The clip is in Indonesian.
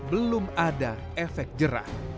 belum ada efek jerah